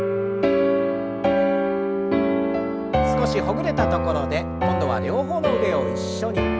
少しほぐれたところで今度は両方の腕を一緒に。